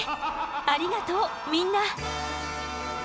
ありがとうみんな。